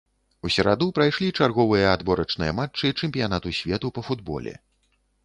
У сераду прайшлі чарговыя адборачныя матчы чэмпіянату свету па футболе.